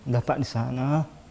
dapat di sana